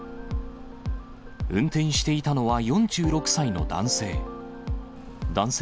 運転していたのは４６歳の男性。